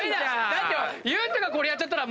だって裕翔がこれやっちゃったら。